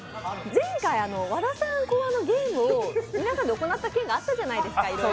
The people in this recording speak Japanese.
前回、和田さん考案のゲームを皆さんで行った件があったじゃないですか。